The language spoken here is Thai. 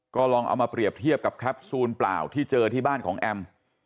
ก็ลองเอามาเปรียบเทียบกับแคปซูลเปล่าที่เจอที่บ้านของแอม